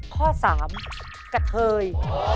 ข้อสามกะเทย